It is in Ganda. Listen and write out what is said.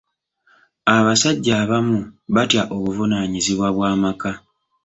Abasajja abamu batya obuvunaanyizibwa bw'amaka.